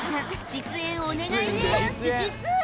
実演お願いします実演！？